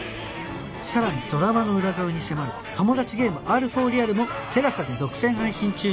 さらにドラマの裏側に迫る『トモダチゲーム Ｒ４ リアル』も ＴＥＬＡＳＡ で独占配信中